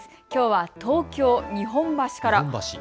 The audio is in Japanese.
きょうは、東京日本橋から。